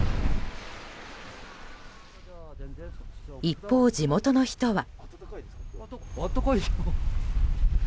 一方、地元の人は。